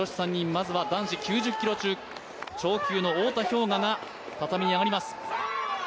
まずは男子９０キロ超級の太田彪雅が畳に上がります。